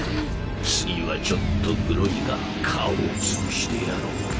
次はちょっとグロいが顔をつぶしてやろう。